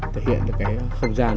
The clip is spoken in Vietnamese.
thể hiện được cái không gian